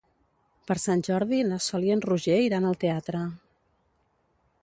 Per Sant Jordi na Sol i en Roger iran al teatre.